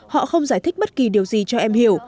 họ không giải thích bất kỳ điều gì cho em hiểu